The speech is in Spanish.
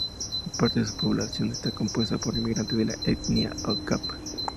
Parte de su población está compuesta por inmigrantes de la etnia qom.